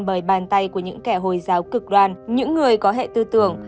bởi bàn tay của những kẻ hồi giáo cực đoan những người có hệ tư tưởng